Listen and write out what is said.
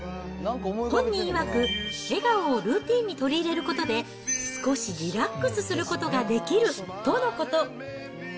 本人いわく、笑顔をルーティーンに取り入れることで、少しリラックスすることができるとのこと。